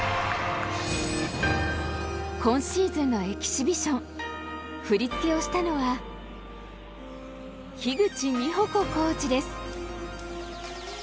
今シーズンのエキシビション振り付けをしたのは樋口美穂子コーチです。